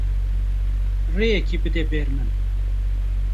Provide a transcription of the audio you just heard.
Rêyekê bide ber min.